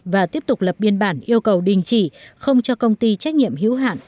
và tiếp tục lập biên bản yêu cầu đình chỉ không cho công ty trách nhiệm hữu hạn